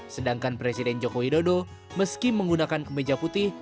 sedangkan presiden joko widodo meski menggunakan kemeja putih